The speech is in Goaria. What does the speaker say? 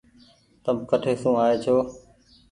تم ڪٺي سون آئي ڇو۔